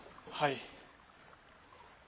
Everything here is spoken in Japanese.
はい。